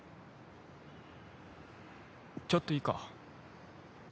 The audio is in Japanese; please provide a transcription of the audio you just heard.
ちょっといいか？